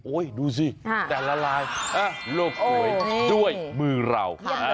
โอ้ยดูสิแต่ละลายโลกปล่วยด้วยมือเรา